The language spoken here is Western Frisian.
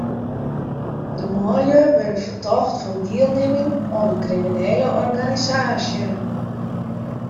De manlju wurde fertocht fan dielnimming oan in kriminele organisaasje.